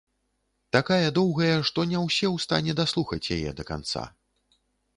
Такая доўгая, што не ўсе ў стане даслухаць яе да канца.